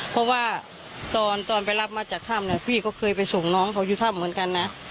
เพราะว่าตอนไปรับมาจากถ้ำพี่ก็เคยไปส่งน้องเขาอยู่ถ้ำเหมือนกันนะ